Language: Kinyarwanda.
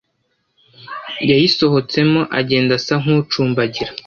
yayisohotsemo agenda asa nk’ucumbagira